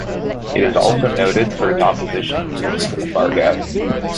It is also noted for its opposition to the Cuban embargo.